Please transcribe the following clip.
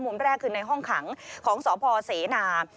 มุมแรกคือในห้องขังของสพเสนา